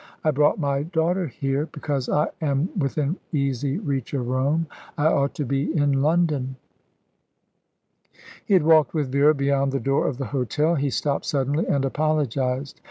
I brought my daughter here, because I am within easy reach of Rome. I ought to be in London." He had walked with Vera beyond the door of the hotel. He stopped suddenly, and apologised.